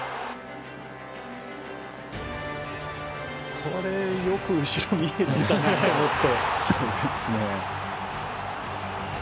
これよく後ろ見えてたなと思って。